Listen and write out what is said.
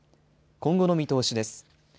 今後の見通しです。